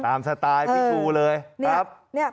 ตามสไตล์พี่ครูเลย